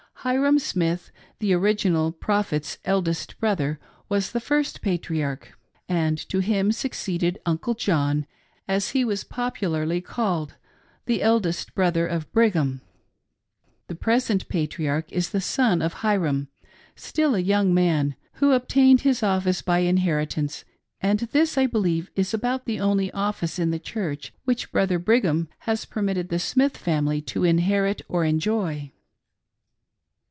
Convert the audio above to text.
Hyrum Smith, the origi nal Prophet's eldest brother, was the first Patriarch ; and to 302 AN OLD LADY WHO VALUED A BLESSING. him succeeded " Uncle John," as he was popularly called — the eldest brother of Brigham ;— the present Patriarch is the son of Hyrum ; still a young man, who obtained his office by inheritance — and this, I believe, is about the only office in the Church which Brother Brigham has permitted the Smith family to inherit or enjoy.